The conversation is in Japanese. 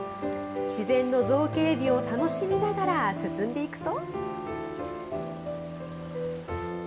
自然の造形美を楽しみながら進んでいくと。